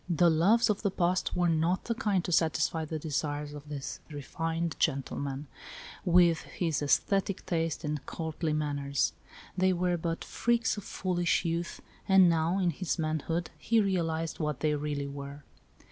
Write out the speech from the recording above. The loves of the past were not the kind to satisfy the desires of this refined gentleman, with his aes thetic tastes and courtly manners ; they were but 24 ALICE ; OR, THE WAGES OF SIN. freaks of foolish youth, and now, in his manhood, he realized what they really were.